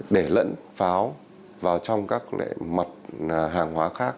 để lẫn pháo vào trong các mặt hàng hóa khác